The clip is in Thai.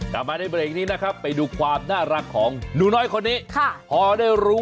กลับมาใน